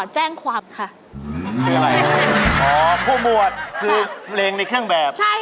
ใช่ค่ะ